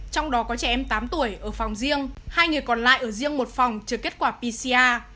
trong đó có trẻ em tám tuổi ở phòng riêng hai người còn lại ở riêng một phòng chờ kết quả pcr